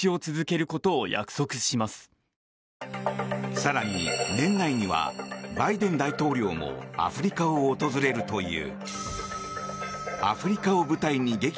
更に年内にはバイデン大統領もアフリカを訪れるという。